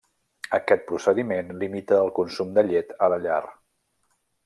Aquest procediment limita el consum de llet a la llar.